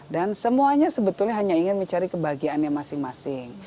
dan semuanya sebetulnya hanya ingin mencari kebahagiaannya masing masing